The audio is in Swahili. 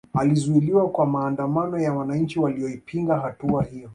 Alizuiliwa kwa maandamano ya wananchi walioipinga hatua hiyo